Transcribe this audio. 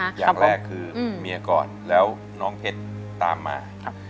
อย่างแรกคือเมียก่อนแล้วน้องเพชรตามมาครับ